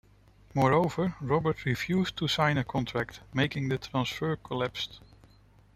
Moreover, Robert refused to sign a contract, making the transfer collapsed.